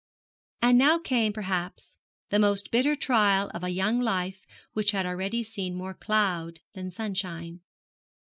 And now came, perhaps, the most bitter trial of a young life which had already seen more cloud than sunshine.